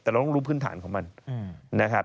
แต่เราต้องรู้พื้นฐานของมันนะครับ